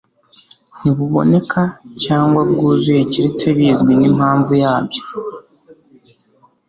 ntibuboneka cyangwa bwuzuye keretse bizwi n'impamvu yabyo